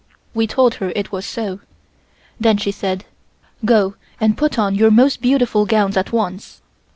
We told her it was so. Then she said: "Go and put on your most beautiful gowns at once."